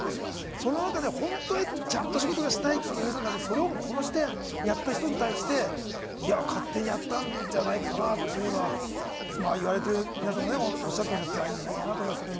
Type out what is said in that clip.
それでちゃんと仕事をしたいという中で、それを殺してやった人に対して、勝手にやったんじゃないかなというのは言われている皆さんもおっしゃってましたけれども、つらいんじゃないかなと。